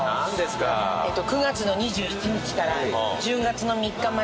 ９月の２７日から１０月の３日まで。